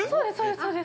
◆そうです